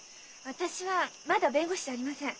私はまだ弁護士じゃありません。